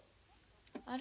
あれ？